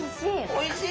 おいしい！